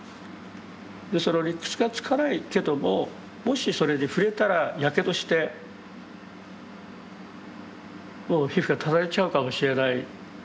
その理屈がつかないけどももしそれに触れたらやけどしてもう皮膚がただれちゃうかもしれない。